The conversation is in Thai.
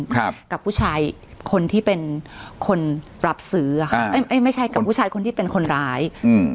ครับกับผู้ชายคนที่เป็นคนรับซื้ออ่ะค่ะเอ้เอ้ยไม่ใช่กับผู้ชายคนที่เป็นคนร้ายอืม